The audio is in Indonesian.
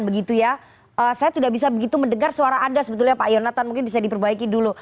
saya tidak bisa begitu mendengar suara anda pak yonatan mungkin bisa diperbaiki dulu